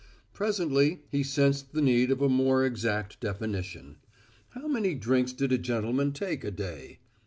Presently he sensed the need of a more exact definition. How many drinks did a gentleman take a day?